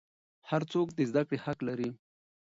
هر څوک د زده کړې حق لري.